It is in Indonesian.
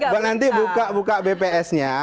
bang nanti buka bps nya